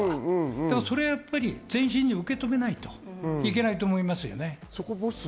それはやっぱり全身で受け止めないといけないと思いますね。